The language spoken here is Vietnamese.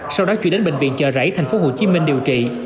sau đó chuyển đến bệnh viện chợ rẫy tp hcm điều trị